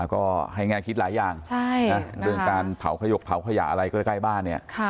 ก็ให้แง่คิดหลายอย่างเรื่องการเผาขยกเผาขยะอะไรใกล้บ้านเนี่ย